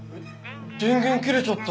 電源切れちゃった。